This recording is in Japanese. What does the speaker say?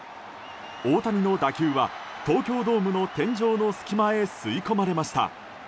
大谷の打球は東京ドームの天井の隙間へ吸い込まれました。